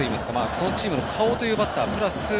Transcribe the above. そのチームの顔というバッタープラス